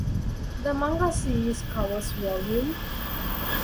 The manga series covers Vol.